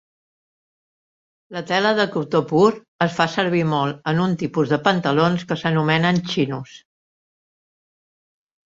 La tela de cotó pur es fa servir molt en un tipus de pantalons que s'anomenen "chinos".